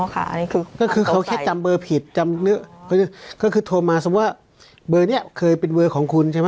ก็คือก็คือเขาแค่จำเบอร์ผิดจำก็คือโทรมาสมมุติว่าเบอร์นี้เคยเป็นเบอร์ของคุณใช่ไหม